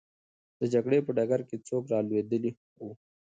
د جګړې په ډګر کې څوک رالوېدلی وو؟